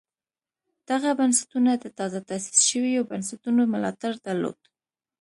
دغه بنسټونه د تازه تاسیس شویو بنسټونو ملاتړ درلود